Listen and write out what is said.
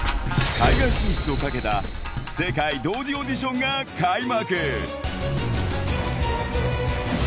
海外進出をかけた世界同時オーディションが開幕。